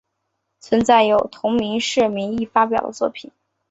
存在有同社名义发表的作品。